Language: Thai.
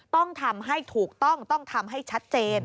ต้องทำให้ถูกต้องต้องทำให้ชัดเจน